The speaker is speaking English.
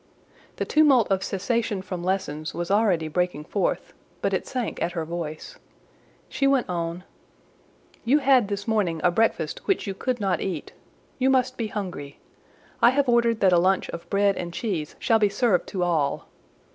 The tumult of cessation from lessons was already breaking forth, but it sank at her voice. She went on— "You had this morning a breakfast which you could not eat; you must be hungry:—I have ordered that a lunch of bread and cheese shall be served to all."